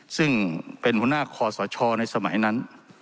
ซึ่งเป็นหัวหน้าคอสชในสมัยนั้น